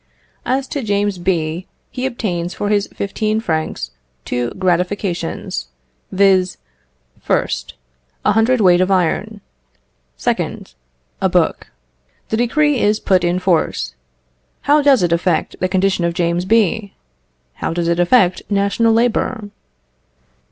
As to James B., he obtains for his fifteen francs two gratifications, viz.: 1st. A hundred weight of iron. 2nd. A book. The decree is put in force. How does it affect the condition of James B.? How does it affect the national labour?